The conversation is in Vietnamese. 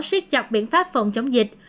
siết chọc biện pháp phòng chống dịch